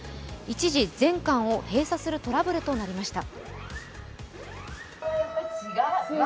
一時、全館を閉鎖するトラブルとなりました。